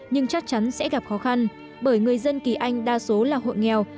nhưng chắc chắn sẽ gặp khó khăn bởi người dân kỳ anh đa số là hộ nghèo